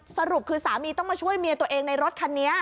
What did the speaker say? สรุปคือสามีต้องมาช่วยเมียตัวเองในรถคันนี้